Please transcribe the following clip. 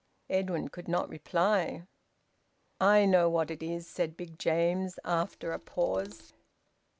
Edwin could not reply. "I know what it is," said Big James, after a pause.